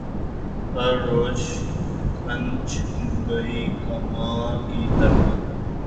ہر روش کھنچ گئی کماں کی طرح